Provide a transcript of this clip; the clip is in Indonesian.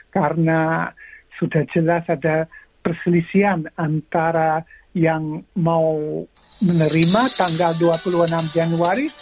karena sudah jelas ada perselisian antara yang mau menerima tanggal dua puluh enam januari